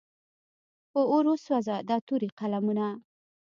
په اور وسوځه دا تورې قلمونه.